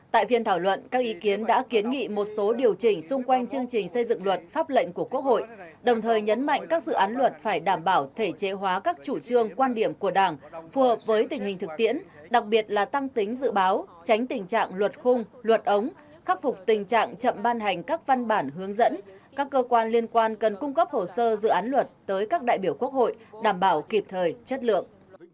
tại phiên thảo luận các ý kiến đã kiến nghị một số điều chỉnh xung quanh chương trình xây dựng luật pháp lệnh của quốc hội đồng thời nhấn mạnh các dự án luật phải đảm bảo thể chế hóa các chủ trương quan điểm của đảng phù hợp với tình hình thực tiễn đặc biệt là tăng tính dự báo tránh tình trạng luật khung luật ống khắc phục tình trạng chậm ban hành các văn bản hướng dẫn các cơ quan liên quan cần cung cấp hồ sơ dự án luật tới các đại biểu quốc hội đảm bảo kịp thời chất lượng